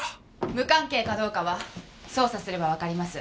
無関係かどうかは捜査すればわかります。